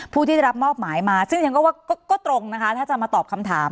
ผู้ที่ได้รับมอบหมายมาซึ่งฉันก็ว่าก็ตรงนะคะถ้าจะมาตอบคำถาม